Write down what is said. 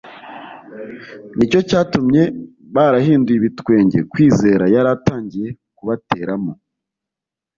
Nicyo cyatumye barahinduye ibitwenge kwizera yari atangiye kubateramo.